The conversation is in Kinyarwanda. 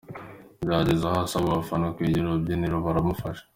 Byageze aho asaba abafana kwegera urubyiniro, baramufasha.